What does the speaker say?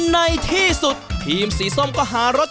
ในที่สุดทีมสีส้มก็หารถ